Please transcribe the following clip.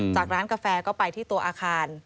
จากร้านกาแฟก็ไปที่ตัวอาคาร